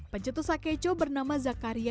pencetus sakeco bernama zakaria